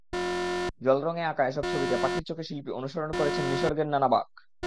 জলরঙে আঁকা এসব ছবিতে পাখির চোখে শিল্পী অনুসরণ করেছেন নিসর্গের নানা বাঁক।